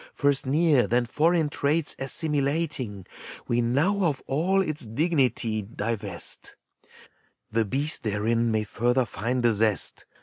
First i^ear, then foreign traits assimilating, We now of all its dignity divest : The beast therein may further find a zest.